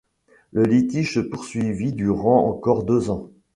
Le litige se poursuivit durant encore deux ans.